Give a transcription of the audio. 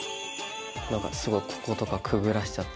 何かすごいこことかくぐらしちゃって。